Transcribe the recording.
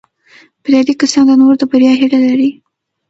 بریالي کسان د نورو د بریا هیله لري